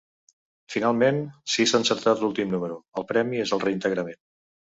Finalment, si s’ha encertat l’últim número, el premi és el reintegrament.